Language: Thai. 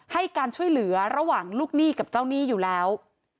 ให้การช่วยเหลือระหว่างลูกหนี้กับเจ้าหนี้อยู่แล้ว